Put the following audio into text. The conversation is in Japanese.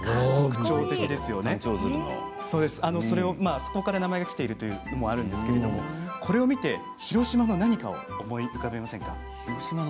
そこから名前がきているというのもあるんでしょうがこれを見て広島の何かを思い浮かべませんか？